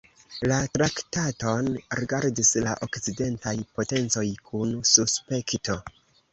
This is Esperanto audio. La traktaton rigardis la okcidentaj potencoj kun suspekto.